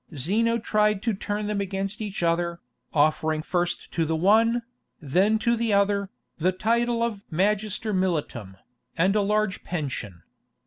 Zeno tried to turn them against each other, offering first to the one, then to the other, the title of Magister militum, and a large pension.